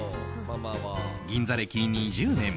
銀座歴２０年